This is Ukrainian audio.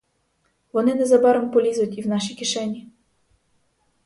Вони незабаром полізуть і в наші кишені.